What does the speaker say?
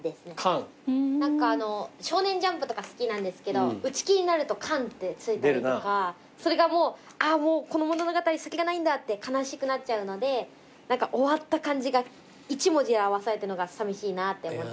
『少年ジャンプ』とか好きなんですけど打ち切りになると「完」ってついたりとかそれがもうあもうこの物語先がないんだって悲しくなっちゃうので終わった感じが１文字で表されてるのがさみしいなって思って。